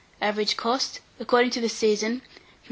Average cost, according to the season, from 3s.